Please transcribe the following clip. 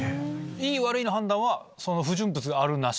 いい悪いの判断は不純物があるなし？